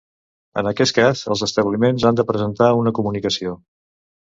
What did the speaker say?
En aquest cas, els establiments han de presentar una comunicació.